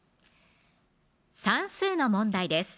算数の問題です